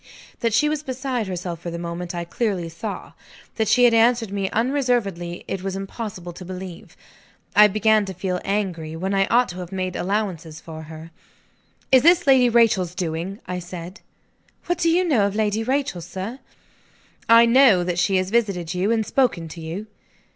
That she was beside herself for the moment, I clearly saw. That she had answered me unreservedly, it was impossible to believe. I began to feel angry, when I ought to have made allowances for her. "Is this Lady Rachel's doing?" I said. "What do you know of Lady Rachel, sir?" "I know that she has visited you, and spoken to you."